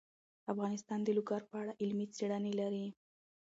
افغانستان د لوگر په اړه علمي څېړنې لري.